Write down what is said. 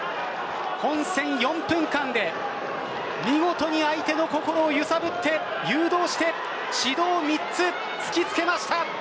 本戦４分間で見事に相手の心を揺さぶって誘導して指導３つ突きつけました！